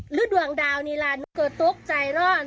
หรือดวงดาวนี่ล่ะเจ้าต้นจะตกใจรอด